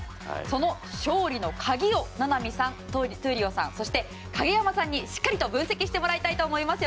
その勝利の鍵を名波さん、闘莉王さんそして影山さんにしっかり分析していただきたいと思います。